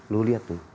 lu lihat tuh